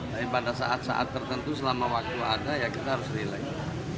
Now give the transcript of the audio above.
tapi pada saat saat tertentu selama waktu ada ya kita harus relax